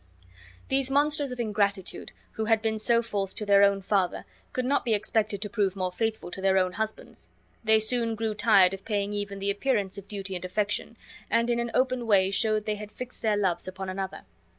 These monsters of ingratitude, who had been so false to their old father, could not be expected to prove more faithful to their own husbands. They soon grew tired of paying even the appearance of duty and affection, and in an open way showed they had fixed their loves upon another.